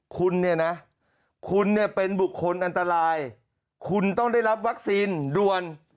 คุณเนี่ยนะคุณเนี่ยเป็นบุคคลอันตรายคุณต้องได้รับวัคซีนด่วน